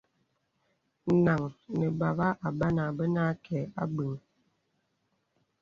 Nang nə̀ bābà Abanda bə̀ nâ kə̀ abə̀ŋ.